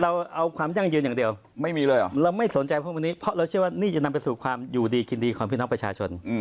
เราเอาความยั่งยืนอย่างเดียวไม่มีเลยเหรอเราไม่สนใจพวกวันนี้เพราะเราเชื่อว่านี่จะนำไปสู่ความอยู่ดีกินดีของพี่น้องประชาชน